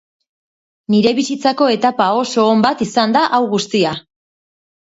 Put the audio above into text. Nire bizitzako etapa oso on bat izan da hau guztia.